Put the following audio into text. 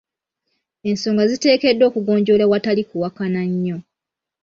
Ensonga ziteekeddwa okugonjoolwa awatali kuwakana nnyo.